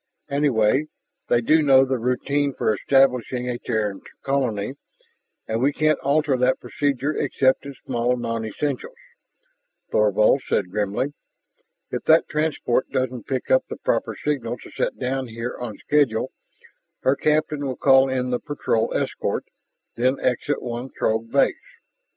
Anyway, they do know the routine for establishing a Terran colony, and we can't alter that procedure except in small nonessentials," Thorvald said grimly. "If that transport doesn't pick up the proper signal to set down here on schedule, her captain will call in the patrol escort ... then exit one Throg base.